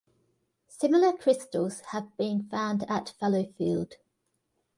Similar crystals have been found at Fallowfield.